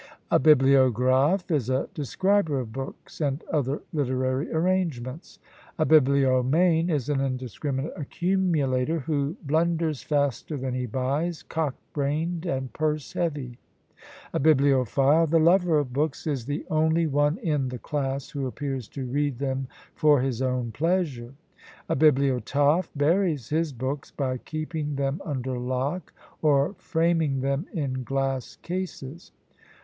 A bibliographe is a describer of books and other literary arrangements. A bibliomane is an indiscriminate accumulator, who blunders faster than he buys, cock brained, and purse heavy! A bibliophile, the lover of books, is the only one in the class who appears to read them for his own pleasure. A bibliotaphe buries his books, by keeping them under lock, or framing them in glass cases.